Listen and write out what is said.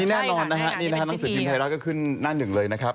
นี่แน่นอนนะคะนางศือจีนไทยแล้วก็ขึ้นนั่นหนึ่งเลยนะครับ